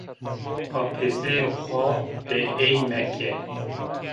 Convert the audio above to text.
Papizê xo bi ey meke!